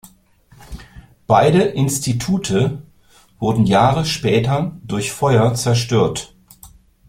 Beide Institute wurden Jahre später durch Feuer zerstört.